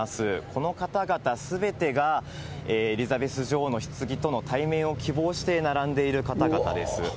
この方々すべてが、エリザベス女王のひつぎとの対面を希望して、並んでいる方々です。